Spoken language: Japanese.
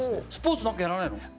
スポーツ何かやらないの？